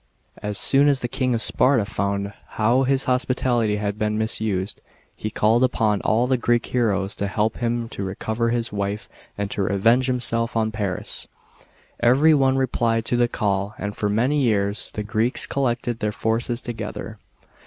As soon as the King of Sparta found how his hospitality had been misused, he called upon all the Greek heroes to help him to recover his wife and to revenge himself on Paris. Every one re plied to the call, and for many years, the Greeks collected their forces together.